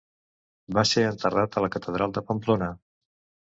Va ser enterrat a la catedral de Pamplona.